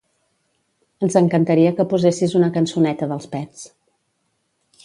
Ens encantaria que posessis una cançoneta d'Els Pets.